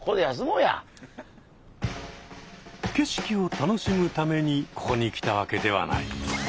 景色を楽しむためにここに来たわけではない。